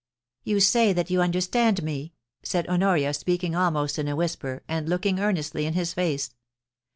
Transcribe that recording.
* You say that you understand me,' said Honoria, speaking almost in a whisper, and looking earnestly into his face.